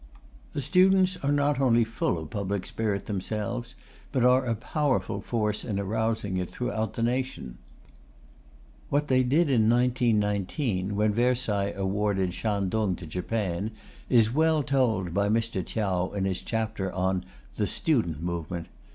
The students are not only full of public spirit themselves, but are a powerful force in arousing it throughout the nation. What they did in 1919, when Versailles awarded Shangtung to Japan, is well told by Mr. Tyau in his chapter on "The Student Movement."